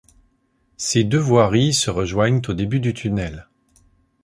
Ces deux voiries se rejoignent au début du tunnel.